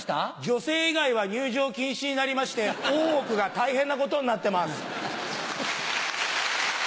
女性以外は入城禁止になりまして大奥が大変なことになってます。